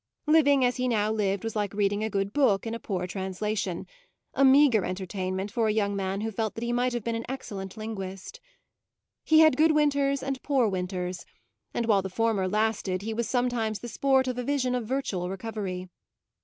Living as he now lived was like reading a good book in a poor translation a meagre entertainment for a young man who felt that he might have been an excellent linguist. He had good winters and poor winters, and while the former lasted he was sometimes the sport of a vision of virtual recovery.